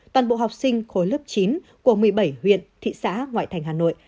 toàn bộ học sinh khối lớp chín của một mươi bảy huyện thị xã ngoại thành hà nội